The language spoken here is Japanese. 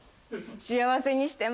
幸せにしてます。